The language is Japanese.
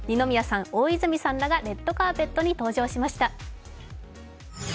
大泉さんらがレッドカーペットに登場しました。